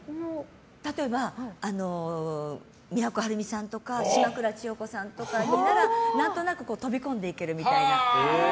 例えば、都はるみさんとか島倉千代子さんとかになら何となく飛び込んでいけるみたいな。